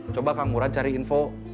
coba kang murad cari info